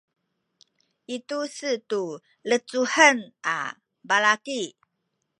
i tu-se tu lecuhen a balaki